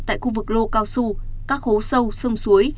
tại khu vực lô cao su các hố sâu sông suối